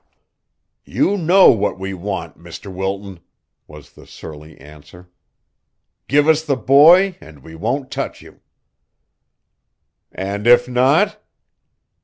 "You know what we want, Mr. Wilton," was the surly answer. "Give us the boy and we won't touch you." "And if not?"